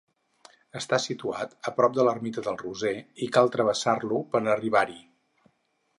Està situat a prop de l'ermita del Roser i cal travessar-lo per arribar-hi.